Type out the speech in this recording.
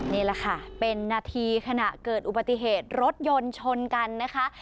นี่แหละค่ะเป็นนาทีขณะเกิดอุบัติเหตุรถยนต์ชนกันนะคะ